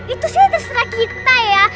itu sih terserah kita ya